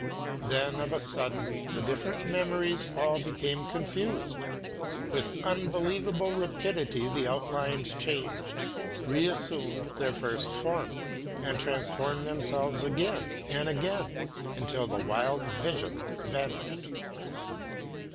Then of a sudden the different memories all became confused; with unbelievable rapidity the outlines changed, reassumed their first form, and transformed themselves again and again, until the wild vision vanished.